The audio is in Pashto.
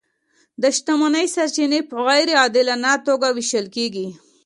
د شتمنۍ سرچینې په غیر عادلانه توګه وېشل کیږي.